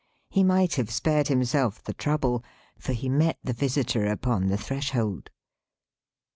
He might have spared himself the trouble, for he met the visitor upon the threshold.